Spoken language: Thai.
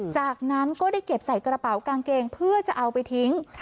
จากนั้นก็ได้เก็บใส่กระเป๋ากางเกงเพื่อจะเอาไปทิ้ง